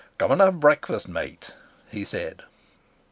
"Come and have breakfast, mate," he said.